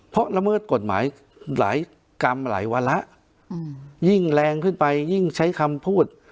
เพราะละเมิดกฎหมายหลายกรรมหลายวาระยิ่งแรงขึ้นไปยิ่งใช้คำพูด